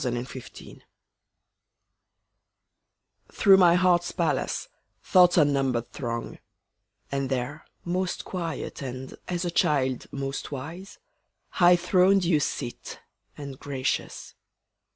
Day and Night Through my heart's palace Thoughts unnumbered throng; And there, most quiet and, as a child, most wise, High throned you sit, and gracious.